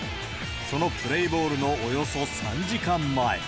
そのプレーボールのおよそ３時間前。